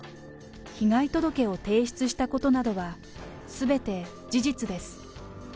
被害届を提出したことなどは、すべて事実です。